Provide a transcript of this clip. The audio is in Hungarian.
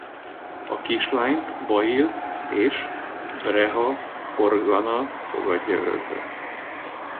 A kislányt Bail és Breha Organa fogadja örökbe.